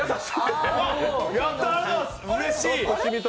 やった、ありがとうございます、うれしい。